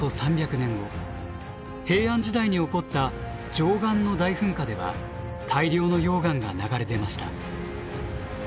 平安時代に起こった貞観の大噴火では大量の溶岩が流れ出ました。